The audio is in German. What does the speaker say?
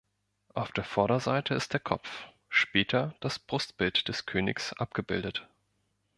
Auf der Vorderseite ist der Kopf, später das Brustbild des Königs abgebildet.